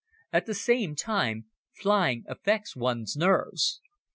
At the same time, flying affects one's nerves.